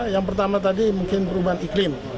yang pertama tadi mungkin perubahan iklim